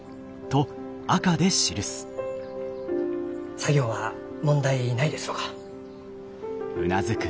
作業は問題ないですろうか？